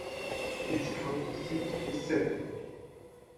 Its county seat is Centerville.